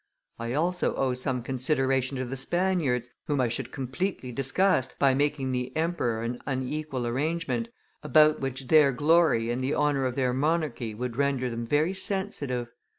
I also owe some consideration to the Spaniards, whom I should completely disgust by making with the emperor an unequal arrangement, about which their glory and the honor of their monarchy would render them very sensitive.